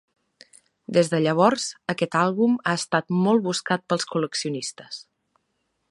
Des de llavors, aquest àlbum ha estat molt buscat pels col·leccionistes.